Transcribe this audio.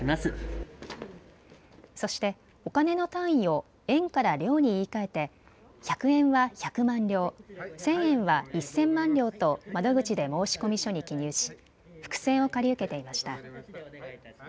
そして、お金の単位を円から両に言いかえて１００円は百万両、１０００円は一千万両と窓口で申込書に記入し福銭を借り受けていました。